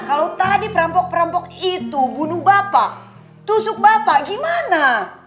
kalau tadi perampok perampok itu bunuh bapak tusuk bapak gimana